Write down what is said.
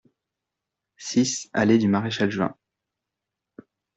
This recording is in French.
six allée du Maréchal Juin